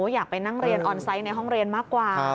อยากไปนั่งเรียนออนไซต์ในห้องเรียนมากกว่า